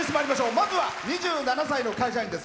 まずは、２７歳の会社員です。